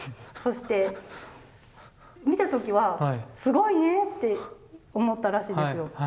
そして見た時は「すごいね」って思ったらしいんですよ。